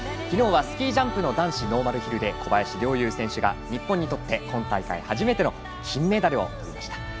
昨日はスキージャンプの男子ノーマルヒルで小林陵侑選手が日本にとって今大会初めての金メダルをとりました。